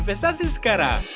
oke siap permisi pak